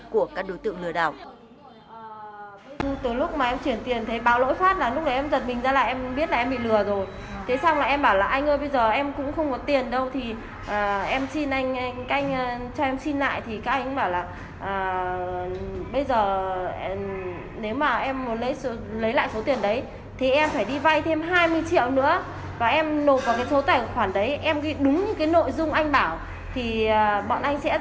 của các đối tượng lừa đảo